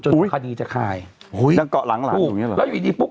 จนคดีจะคายอุ้ยยังเกาะหลังหลังอยู่เนี้ยเหรอแล้วอยู่ดีดีปุ๊บ